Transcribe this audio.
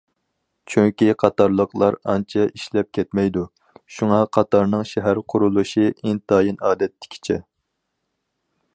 چۈنكى قاتارلىقلار ئانچە ئىشلەپ كەتمەيدۇ، شۇڭا قاتارنىڭ شەھەر قۇرۇلۇشى ئىنتايىن ئادەتتىكىچە.